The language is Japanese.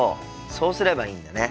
そうすればいいんだね。